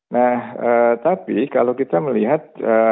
nah tapi kalau kita melihat